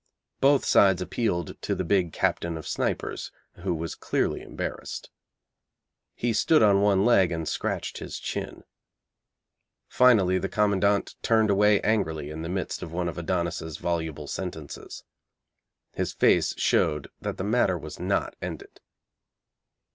Both sides appealed to the big Captain of Snipers, who was clearly embarrassed. He stood on one leg and scratched his chin. Finally the Commandant turned away angrily in the midst of one of Adonis' voluble sentences. His face showed that the matter was not ended.